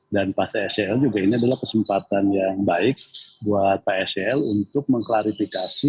dan pak sel juga ini adalah kesempatan yang baik buat pak sel untuk mengklarifikasi